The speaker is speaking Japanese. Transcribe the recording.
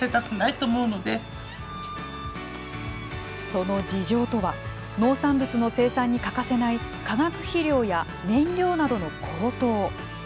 その事情とは農産物の生産に欠かせない化学肥料や燃料などの高騰。